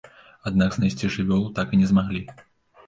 Аднак знайсці жывёлу так і не змаглі.